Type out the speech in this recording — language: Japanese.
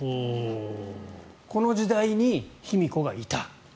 この時代に卑弥呼がいた。